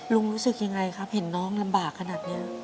รู้สึกยังไงครับเห็นน้องลำบากขนาดนี้